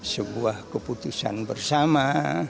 sebuah keputusan bersama